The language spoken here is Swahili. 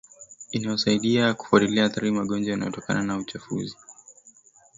inayosaidia kufuatilia athari za magonjwa yanayotokana na uchafuzi